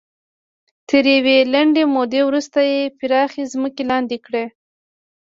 تر یوې لنډې مودې وروسته یې پراخې ځمکې لاندې کړې.